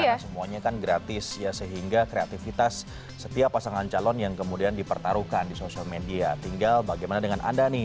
karena semuanya kan gratis ya sehingga kreativitas setiap pasangan calon yang kemudian dipertaruhkan di sosial media tinggal bagaimana dengan anda nih